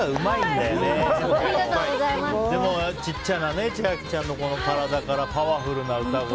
でも、ちっちゃな千秋ちゃんの体から体からパワフルな歌声。